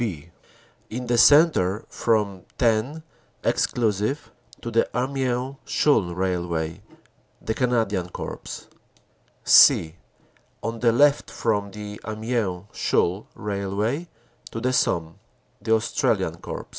" (b) In the centre from Thennes (exclusive) to the Amiens Chaulnes Railway The Canadian Corps. "(c) On the left from the Amiens Chaulnes Railway to the Somme The Australian Corps.